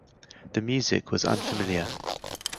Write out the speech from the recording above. The music was unfamiliar.